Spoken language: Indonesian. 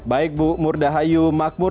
baik bu murdahayu makmur